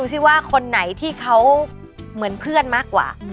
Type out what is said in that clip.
โอ้ยนี่มันใกล้สิ้นเดือนไว้แล้ว